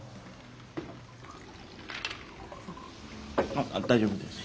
あっ大丈夫です。